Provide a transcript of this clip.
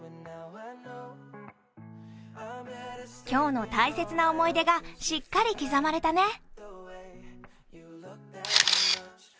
今日の大切な思い出がしっかり刻まれたね。